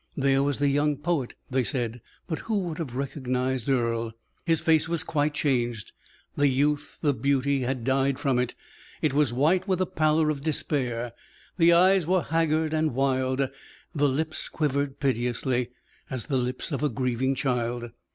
"There was the young poet," they said but who would have recognized Earle? His face was quite changed; the youth, the beauty had died from it, it was white with the pallor of despair; the eyes were haggard and wild, the lips quivered piteously, as the lips of a grieving child.